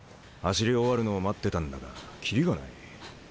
走り終わるのを待ってたんだが切りがないね。